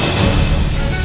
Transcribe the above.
gimana kita akan menikmati rena